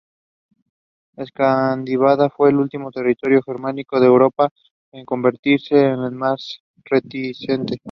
Escandinavia fue el último territorio germánico en Europa en convertirse y el más reticente.